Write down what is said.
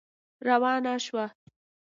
روانه شوه.